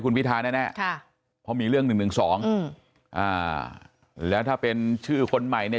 คุณพิธาแน่เพราะมีเรื่อง๑๑๒แล้วถ้าเป็นชื่อคนใหม่เนี่ย